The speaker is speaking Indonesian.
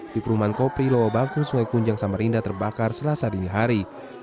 di perumahan kopri lowo bangku sungai kunjang samarinda terbakar selasa dini hari